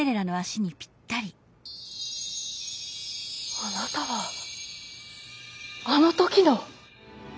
「あなたはあのときの」。